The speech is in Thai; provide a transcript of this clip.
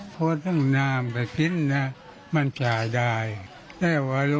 ตอนนี้เกรกะดีขึ้น